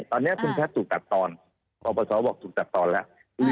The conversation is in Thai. ตอนนี้คุณแพทย์ถูกตัดตอนปปศบอกถูกตัดตอนแล้ว